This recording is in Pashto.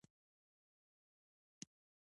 غرمه د ارامي تمثیلي فضا ده